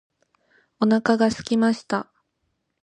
お腹がすきました